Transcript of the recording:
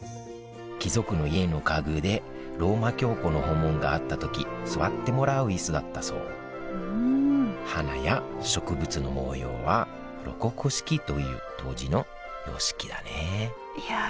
貴族の家の家具でローマ教皇の訪問があったとき座ってもらう椅子だったそううん花や植物の模様はロココ式という当時の様式だねいやあ